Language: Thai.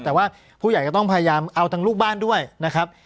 แต่ว่าผู้ใหญ่ก็ต้องพยายามเอาทั้งลูกบ้านด้วยนะครับ